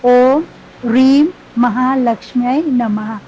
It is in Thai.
โอมรีมมหาลักษมีนมหา